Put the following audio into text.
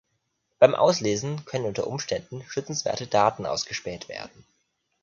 Beim Auslesen können unter Umständen schützenswerte Daten ausgespäht werden.